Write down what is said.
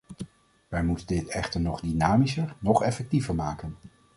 Wij moeten dit echter nog dynamischer, nog effectiever maken.